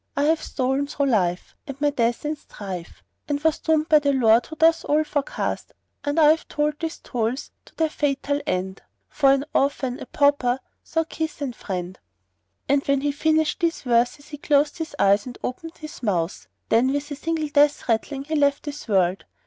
I have stolen through life, and my death in strife * Was doomed by the Lord who doth all forecast And I've toiled these toils to their fatal end * For an orphan, a pauper sans kith or friend!" And when he had finished his verses he closed his eyes and opened his mouth; then with a single death rattling he left this world.